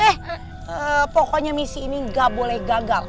eh pokoknya misi ini gak boleh gagal